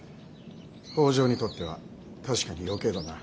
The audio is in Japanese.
北条にとっては確かに余計だな。